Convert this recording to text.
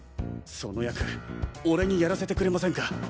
その役俺にやらせてくれませんか？